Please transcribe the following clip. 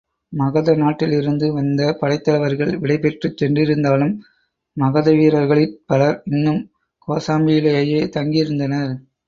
மகத நாட்டிலிருந்து வந்த படைத் தலைவர்கள் விடைபெற்றுச் சென்றிருந்தாலும் மகதவீரர்களிற் பலர் இன்னும் கோசாம்பியிலேயே தங்கியிருந்தனர்.